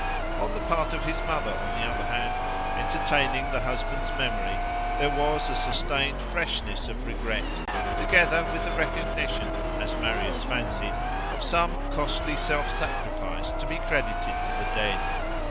On the part of his mother, on the other hand, entertaining the husband's memory, there was a sustained freshness of regret, together with the recognition, as Marius fancied, of some costly self sacrifice to be credited to the dead.